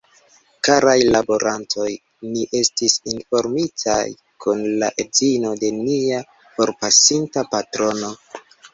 Karaj laborantoj, ni estis informitaj kun la edzino de nia forpasinta patrono